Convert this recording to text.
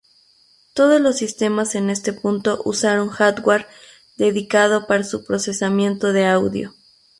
Todos los sistemas en este punto usaron hardware dedicado para su procesamiento de audio.